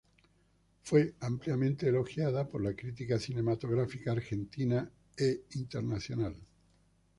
Fue ampliamente elogiada por la crítica cinematográfica argentina e internacional.